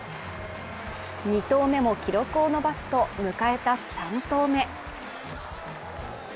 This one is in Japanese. ２投目も記録を伸ばすと、迎えた３投目。